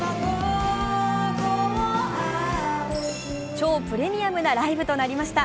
超プレミアムなライブとなりました。